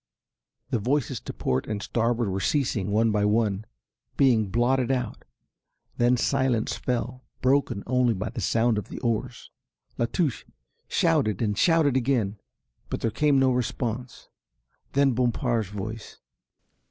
The voices to port and starboard were ceasing, one by one being blotted out. Then silence fell, broken only by the sound of the oars. La Touche shouted and shouted again, but there came no response. Then came Bompard's voice.